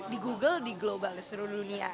di google di global di seluruh dunia